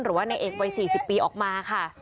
หรือว่านายเอกวัย๔๐ปีออกมาค่ะ